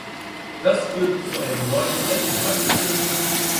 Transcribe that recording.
Das würde zu einem neuen Flächenbrand führen.